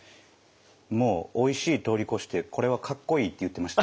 もうおいしい通り越してこれはかっこいいって言ってましたよ。